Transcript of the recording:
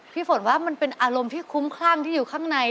ฝนว่ามันเป็นอารมณ์ที่คุ้มคลั่งที่อยู่ข้างใน